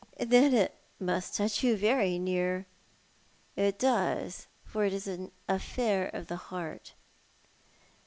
" Then it must touch you very near."' " It does, for it is an affair of the heart."